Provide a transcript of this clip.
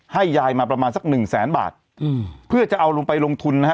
ให้ยายมาประมาณสักหนึ่งแสนบาทอืมเพื่อจะเอาลุงไปลงทุนนะฮะ